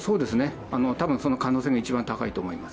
多分その可能性が一番高いと思います。